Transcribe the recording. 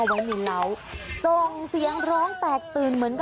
จริงจริงจริง